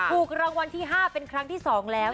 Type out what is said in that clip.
ถูกรางวัลที่๕เป็นครั้งที่๒แล้ว